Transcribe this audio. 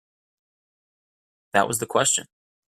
That was the question.